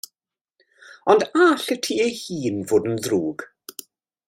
Ond a all y tŷ ei hun fod yn ddrwg?